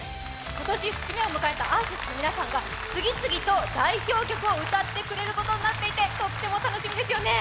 今年節目を迎えたアーティストの皆さんが、次々と代表曲を歌ってくれることになっていて、とっても楽しみですよね。